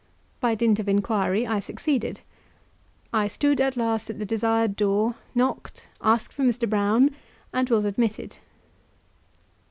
By dint of inquiry I succeeded; I stood at last at the desired door, knocked, asked for Mr. Brown, and was admitted.